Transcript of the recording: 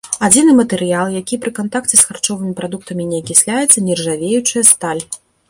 Адзіны матэрыял, які пры кантакце з харчовымі прадуктамі не акісляецца --нержавеючая сталь.